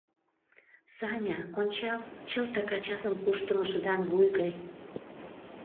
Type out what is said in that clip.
— Саня, ончал: чылтак ачатын куштымо шыдаҥ вуй гай.